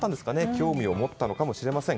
興味を持ったのかもしれません。